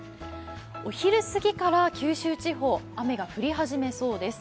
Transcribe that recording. お昼過ぎから九州地方、雨が降り始めそうです。